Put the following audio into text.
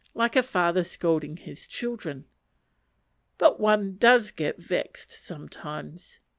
like a father scolding his children. But one does get vexed sometimes.